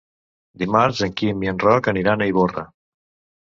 Dimarts en Quim i en Roc aniran a Ivorra.